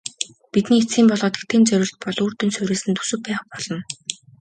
Бидний эцсийн болоод хэтийн зорилт бол үр дүнд суурилсан төсөв байх болно.